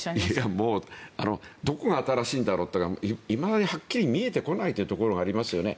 もうどこが新しいんだろうといまだにはっきり見えてこないというところがありますよね。